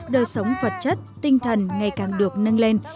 đời sống vật chất tinh thần ngày càng được nâng lên